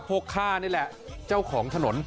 ข้านี่แหละเจ้าของถนน